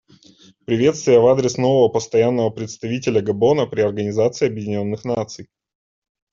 Приветствие в адрес нового Постоянного представителя Габона при Организации Объединенных Наций.